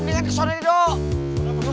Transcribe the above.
lu bingat kesuatannya dong